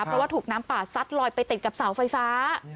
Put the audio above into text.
เพราะว่าถูกน้ำป่าซัดลอยไปติดกับเสาไฟฟ้า